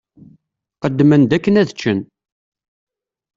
Qqedmen-d akken ad ččen.